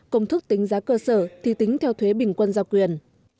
công thức tính giá cơ sở thì tính theo thuế bình quân giao quyền